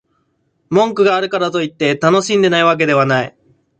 文句があるからといって、楽しんでないわけではない